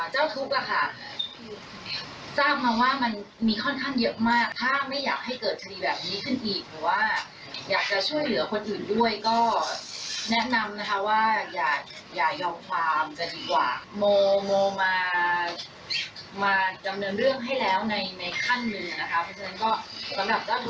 ฉะนั้นก็สำหรับท่านท่านอื่นก็